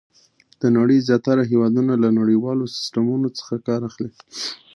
د نړۍ زیاتره هېوادونه له نړیوالو سیسټمونو څخه کار اخلي.